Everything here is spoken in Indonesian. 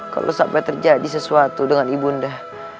kalau sampai terjadi sesuatu dengan ibu undamu